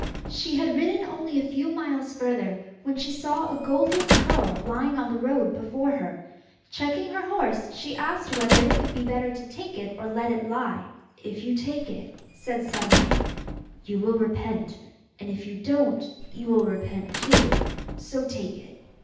She had ridden only a few miles further, when she saw a golden curl lying on the road before her. Checking her horse, she asked whether it would be better to take it or let it lie. 'If you take it,' said Sunlight, 'you will repent, and if you don't, you will repent too: so take it.